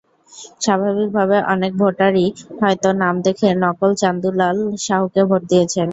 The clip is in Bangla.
স্বাভাবিকভাবে অনেক ভোটারই হয়তো নাম দেখে নকল চান্দুুলাল সাহুকে ভোট দিয়েছেন।